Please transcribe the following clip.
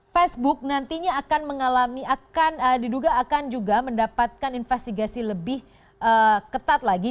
facebook nantinya akan mengalami akan diduga akan juga mendapatkan investigasi lebih ketat lagi